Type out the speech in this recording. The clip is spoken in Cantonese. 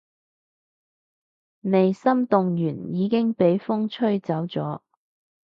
未心動完已經畀風吹走咗